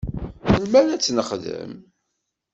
Melmi ara ad tt-nexdem?